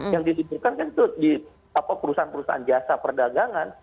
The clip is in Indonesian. yang diliburkan kan itu di perusahaan perusahaan jasa perdagangan